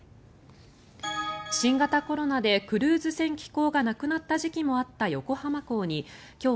新型コロナでクルーズ船寄港がなくなった時期もあった横浜港に今日